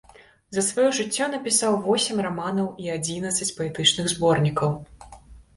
За сваё жыццё напісаў восем раманаў і адзінаццаць паэтычных зборнікаў.